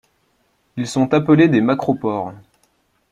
Ils sont appelés des macropores.